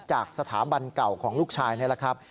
จากสถาบันเก่าของลูกชายนี่แหละครับ